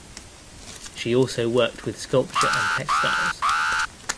She also worked with sculpture and textiles.